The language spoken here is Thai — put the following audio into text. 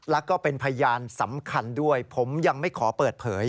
แล้วก็เป็นพยานสำคัญด้วยผมยังไม่ขอเปิดเผย